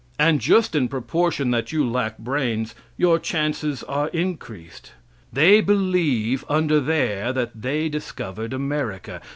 And just in proportion that you lack brains, your chances are increased. They believe, under there that they discovered America.